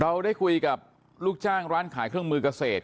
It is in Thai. เราได้คุยกับลูกจ้างร้านขายเครื่องมือเกษตร